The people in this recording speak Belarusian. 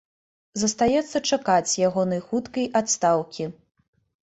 Застаецца чакаць ягонай хуткай адстаўкі.